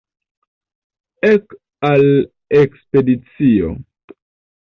Ek al ekspedicio!